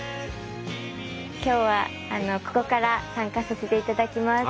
今日はここから参加させていただきます。